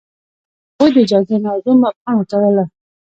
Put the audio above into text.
هغوی د اجازه موضوع مبهمه کوله.